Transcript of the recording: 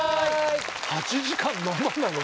８時間生なの？